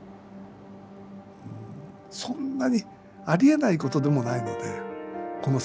そんなにありえないことでもないのでこの世界。